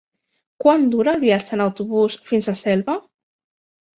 Quant dura el viatge en autobús fins a Selva?